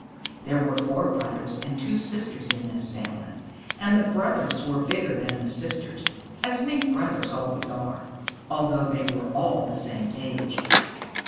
There were four brothers and two sisters in this family, and the brothers were bigger than the sisters (as Mink Brothers always are), although they were all the same age.